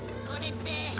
これって。